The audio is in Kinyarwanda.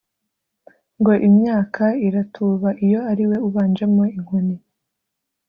ngo imyaka iratuba iyo ariwe ubanjemo inkoni,